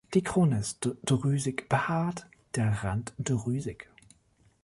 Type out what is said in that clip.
Die Krone ist drüsig-behaart, der Rand drüsig.